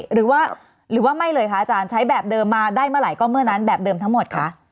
หรือว่าหรือว่าไม่เลยคะอาจารย์ใช้แบบเดิมมาได้เมื่อไหร่ก็เมื่อนั้นแบบเดิมทั้งหมดคะ